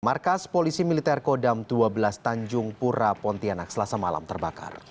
markas polisi militer kodam dua belas tanjung pura pontianak selasa malam terbakar